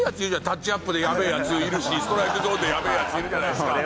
タッチアップでやべえヤツいるしストライクゾーンでやべえヤツいるじゃないですか。